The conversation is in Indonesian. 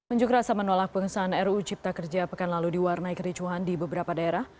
unjuk rasa menolak pengesahan ruu cipta kerja pekan lalu diwarnai kericuhan di beberapa daerah